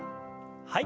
はい。